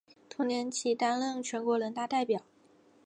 同年起担任全国人大代表。